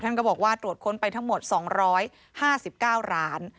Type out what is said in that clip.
ก็บอกว่าตรวจค้นไปทั้งหมด๒๕๙ร้าน